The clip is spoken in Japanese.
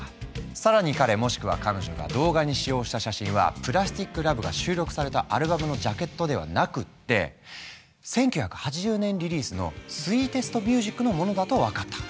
更に彼もしくは彼女が動画に使用した写真は「ＰＬＡＳＴＩＣＬＯＶＥ」が収録されたアルバムのジャケットではなくって１９８０年リリースの「ＳＷＥＥＴＥＳＴＭＵＳＩＣ」のものだと分かった。